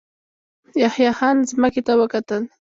يحيی خان ځمکې ته وکتل.